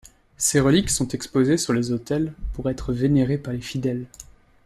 Ces reliques sont exposées sur les autels pour être vénérées par les fidèles.